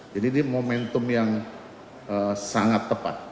jadi ini momentum yang sangat tepat